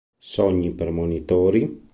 Sogni premonitori?